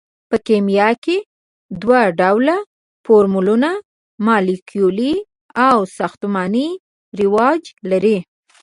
په کیمیا کې دوه ډوله فورمولونه مالیکولي او ساختماني رواج لري.